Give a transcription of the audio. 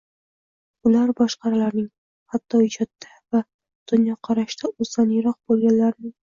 ular boshqalarning, hatto ijodda va dunyoqarashda o‘zidan yiroq bo‘lganlarning